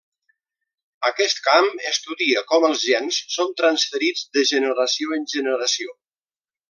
Aquest camp estudia com els gens són transferits de generació en generació.